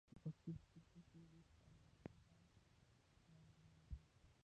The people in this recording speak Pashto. د پښتنو په کلتور کې د استاد حق د پلار غوندې دی.